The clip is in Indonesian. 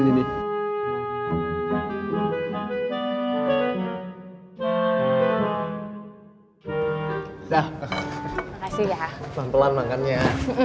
pelan pelan makan ya